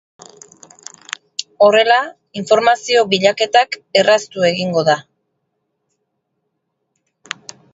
Horrela, informazio bilaketak erraztu egingo da.